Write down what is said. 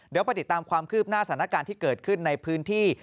เดี๋ยวไปติดตามความคืบหน้าสถานการณ์ที่เกิดขึ้นในพื้นที่